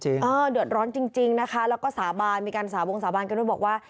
เออเดือดร้อนจริงนะคะแล้วก็สาบานมีการสาววงสาบานกันด้วยบอกว่า